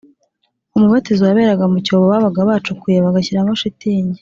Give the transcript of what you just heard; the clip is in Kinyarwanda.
Umubatizo waberaga mu cyobo babaga bacukuye bagashyiramo shitingi